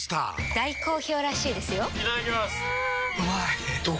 大好評らしいですよんうまい！